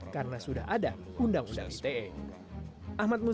karena sudah ada undang undang ite